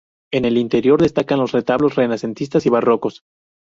En el interior destacan los retablos renacentistas y barrocos.